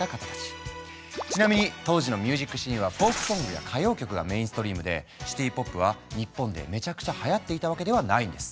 ちなみに当時のミュージックシーンはフォークソングや歌謡曲がメインストリームでシティ・ポップは日本でめちゃくちゃはやっていたわけではないんです。